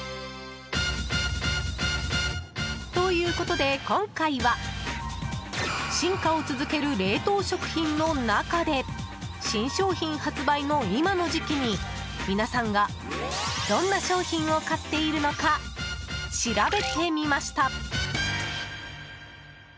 ということで、今回は進化を続ける冷凍食品の中で新商品発売の今の時期に皆さんが、どんな商品を買っているのか調べてみました。